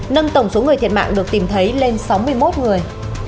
nâng tổng số người thiệt mạng được tìm thấy lên sáu mươi một người